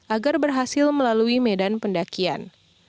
agar berhasil melalui medan pendakian